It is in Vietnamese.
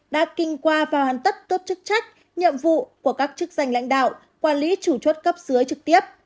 ba đã kinh qua vào hàn tất tốt chức trách nhiệm vụ của các chức danh lãnh đạo quản lý chủ chốt cấp dưới trực tiếp